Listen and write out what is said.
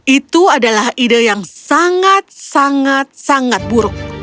itu adalah ide yang sangat sangat buruk